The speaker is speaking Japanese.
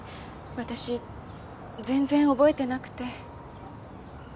私全然覚えてなくて。